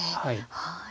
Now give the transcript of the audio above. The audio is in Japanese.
はい。